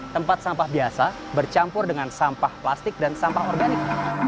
tempat sampah biasa bercampur dengan sampah plastik dan sampah organik